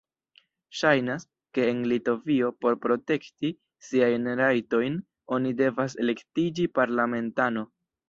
Ŝajnas, ke en Litovio, por protekti siajn rajtojn, oni devas elektiĝi parlamentano.